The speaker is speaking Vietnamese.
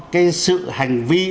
cái sự hành vi